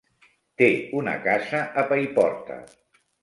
Té una casa a Paiporta.